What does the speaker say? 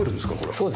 そうです。